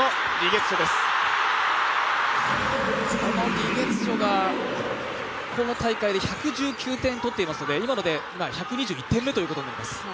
李月汝がこの大会で１１９点取っていますので、今ので１２１点目ということになります。